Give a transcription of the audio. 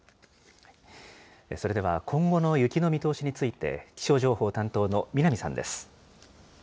それでは今後の雪の見通しについて、気象情報担当の南さんです。